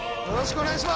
お願いします。